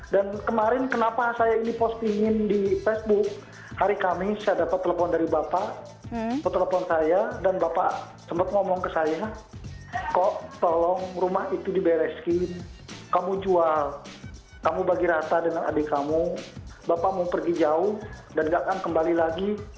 dan kemarin kenapa saya ini postingin di facebook hari kamis saya dapat telepon dari bapak petelepon saya dan bapak sempat ngomong ke saya kok tolong rumah itu dibereskin kamu jual kamu bagi rata dengan adik kamu bapak mau pergi jauh dan nggak akan kembali lagi